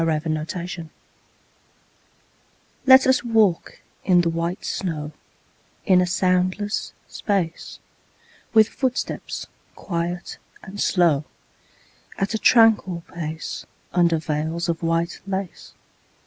VELVET SHOES Let us walk in the white snow In a soundless space; With footsteps quiet and slow, At a tranquil pace, Under veils of white lace.